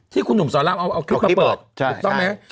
ที่คุณหนุ่มสอนรามเอาคลิปมาเปิดถูกต้องไหม